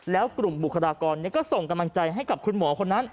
แล้วกลุ่มบุคลากรก็ส่งกำลังใจให้กับคุณหมอคนนั้น